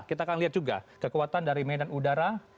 kita akan lihat juga kekuatan dari medan udara